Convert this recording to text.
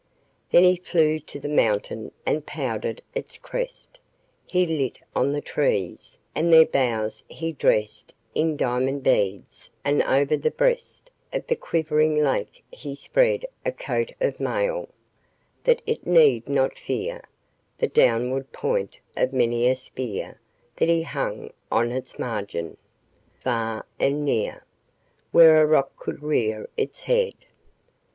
Then he flew to the mountain and powdered its crest; He lit on the trees, and their boughs he dressed In diamond beads and over the breast Of the quivering lake he spread A coat of mail, that it need not fear The downward point of many a spear That he hung on its margin, far and near, Where a rock could rear its head.